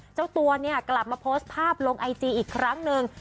เจ้าตัวเนี่ยกลับมาโพสต์ภาพลงไอจีอีกครั้งหนึ่ง